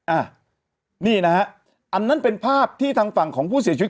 อ่ะนี่นะฮะอันนั้นเป็นภาพที่ทางฝั่งของผู้เสียชีวิต